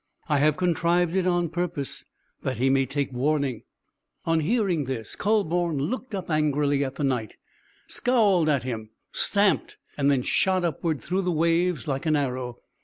I have contrived it on purpose, that he may take warning." On hearing this Kühleborn looked up angrily at the Knight, scowled at him, stamped, and then shot upward through the waves like an arrow.